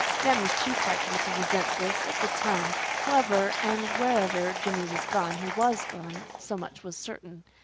Dan was too frightened to resent this, at the time. However and wherever Jimmy had gone, he WAS gone, so much was certain.